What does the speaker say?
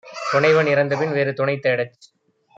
துணைவன் இறந்தபின் வேறு துணைதேடச்